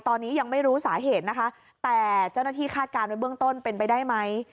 ตอนนี้ยังไม่รู้สาเหตุนะคะแต่เจ้าหน้าที่คาดการณ์ไว้เบื้องต้นเป็นไปได้ไหม